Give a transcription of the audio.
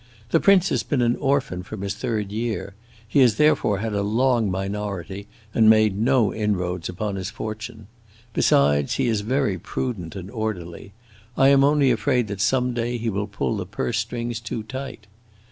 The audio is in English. The prince has been an orphan from his third year; he has therefore had a long minority and made no inroads upon his fortune. Besides, he is very prudent and orderly; I am only afraid that some day he will pull the purse strings too tight.